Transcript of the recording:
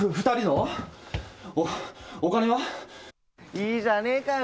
いいじゃねえかよ。